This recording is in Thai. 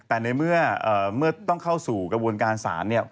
แต่ในเมื่อต้องเข้าสู่กระบวนการศาลเนี่ย